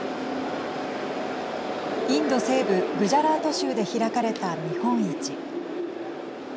インド西部グジャラート州で開かれた見本市。